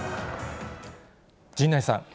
陣内さん。